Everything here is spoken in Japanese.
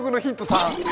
３。